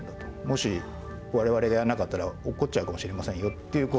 もし我々がやらなかったら落っこちちゃうかもしれませんよっていう